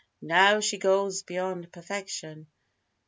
Now she goes beyond perfection.